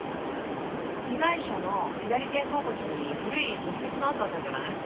被害者の左肩甲骨に古い骨折の痕あったじゃない？